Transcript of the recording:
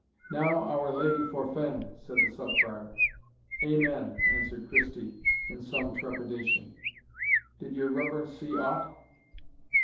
"Now, Our Lady forfend!" said the Sub Prior. "Amen!" answered Christie, in some trepidation, "did your reverence see aught?"